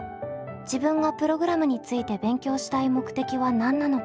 自分がプログラムについて勉強したい目的は何なのか。